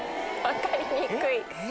分かりにくい！